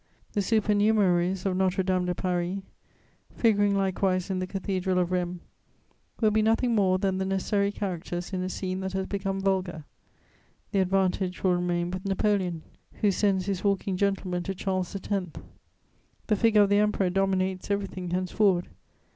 The supernumeraries of Notre Dame de Paris, figuring likewise in the Cathedral of Rheims, will be nothing more than the necessary characters in a scene that has become vulgar: the advantage will remain with Napoleon, who sends his walking gentlemen to Charles X. The figure of the Emperor dominates everything henceforward.